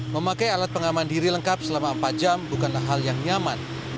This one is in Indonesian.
memakai alat pengaman diri lengkap selama empat jam bukanlah hal yang nyaman